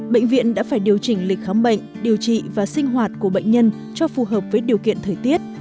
bệnh viện đã phải điều chỉnh lịch khám bệnh điều trị và sinh hoạt của bệnh nhân cho phù hợp với điều kiện thời tiết